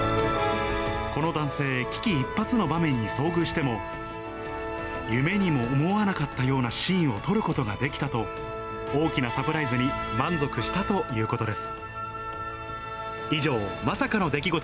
この男性、夢にも思わなかったようなシーンを撮ることができたと、大きなサプライズに満足したということです。